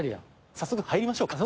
早速入りましょうか。